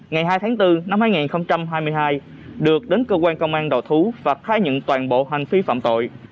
ngày hai tháng bốn năm hai nghìn hai mươi hai được đến cơ quan công an đầu thú và khai nhận toàn bộ hành vi phạm tội